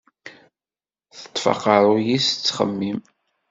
Teṭṭef aqerruy-is tettxemmim.